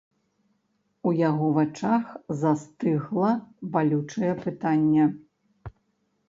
У яго вачах застыгла балючае пытанне.